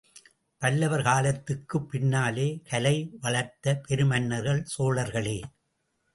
பல்லவர் காலத்துக்குப் பின்னாலே கலை வளர்த்த பெருமன்னர்கள் சோழர்களே.